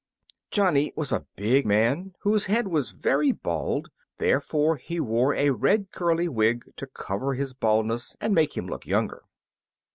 Johnny was a big man, whose head was very bald; therefore he wore a red curly wig to cover his baldness and make him look younger.